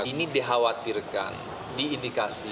ini dikhawatirkan diindikasi